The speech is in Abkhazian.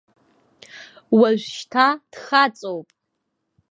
Уажәшьҭа дхаҵоуп.